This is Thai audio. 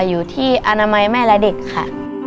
อยู่ที่อนามัยแม่และเด็กค่ะ